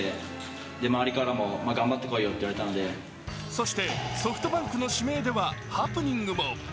そしてソフトバンクの指名では、ハプニングも。